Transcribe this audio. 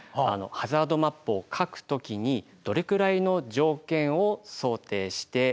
ハザードマップを描く時にどれくらいの条件を想定して描くのか。